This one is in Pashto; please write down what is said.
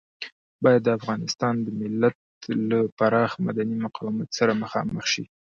بايد د افغانستان د ملت له پراخ مدني مقاومت سره مخامخ شي.